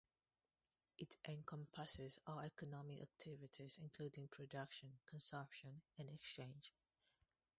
It encompasses all economic activities, including production, consumption, and exchange.